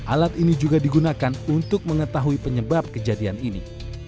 alat ini juga digunakan untuk mengetahui penyebab kejadian ini